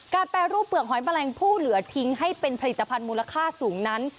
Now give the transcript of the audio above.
แปรรูปเปลือกหอยแมลงผู้เหลือทิ้งให้เป็นผลิตภัณฑ์มูลค่าสูงนั้น